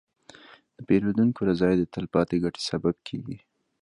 د پیرودونکي رضایت د تلپاتې ګټې سبب کېږي.